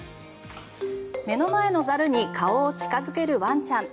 目の前のザルに顔を近付けるワンちゃん。